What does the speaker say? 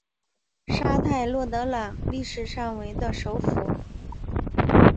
沙泰洛德朗历史上为的首府。